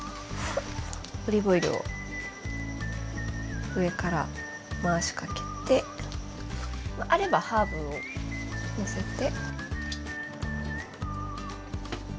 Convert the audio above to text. オリーブオイルを上から回しかけてあればハーブをのせて。